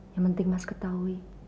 yang penting mas ketahui